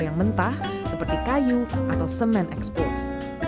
yang mentah seperti kayu atau semen ekspos